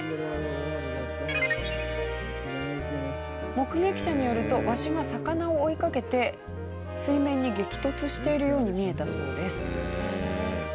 目撃者によるとワシが魚を追いかけて水面に激突しているように見えたそうです。